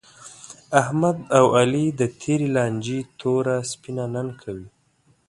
احمد او علي د تېرې لانجې توره سپینه نن کوي.